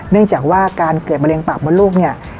เนื่องจากว่าการเกิดมะเร็งปากมดลูกเนี่ย